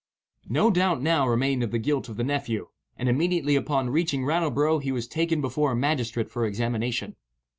No doubt now remained of the guilt of the nephew, and immediately upon reaching Rattleborough he was taken before a magistrate for examination.